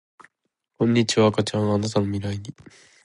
こんにちは赤ちゃんあなたの未来に